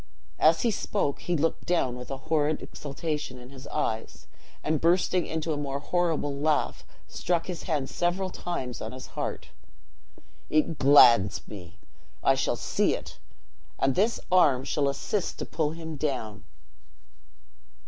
As he spoke, he looked down, with a horrid exultation in his eyes; and, bursting into a more horrible laugh, struck his hand several times on his heart: "It glads me! I shall see it and this arm shall assist to pull him down."